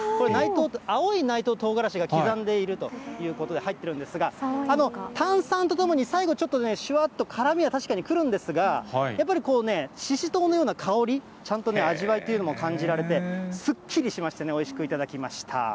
青い内藤とうがらしが刻んでいるということで、入ってるんですが、炭酸とともに最後、ちょっとしゅわっと辛みが確かにくるんですが、やっぱりししとうのような香り、ちゃんと味わいというのも感じられて、すっきりしましたね、おいしく頂きました。